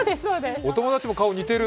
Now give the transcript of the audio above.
お友達も顔、似てる。